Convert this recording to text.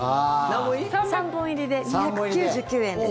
３本入りで２９９円です。